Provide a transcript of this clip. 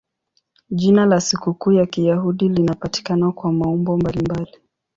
Jina la sikukuu ya Kiyahudi linapatikana kwa maumbo mbalimbali.